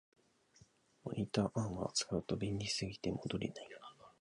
モニターアームを使うと便利すぎて戻れない